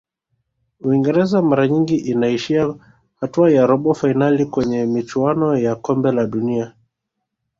uingereza mara nyingi inaishia hatua ya robo fainali kwenye michuano ya kombe la dunia